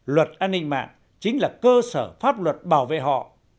luật an ninh mạng chính là cơ sở pháp luật bảo vệ họ